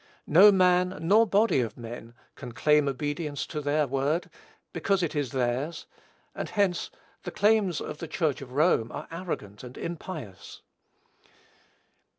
No man, nor body of men, can claim obedience to their word, because it is theirs; and hence the claims of the Church of Rome are arrogant and impious.